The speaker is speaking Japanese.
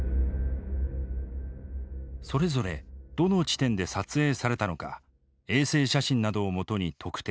それぞれどの地点で撮影されたのか衛星写真などをもとに特定。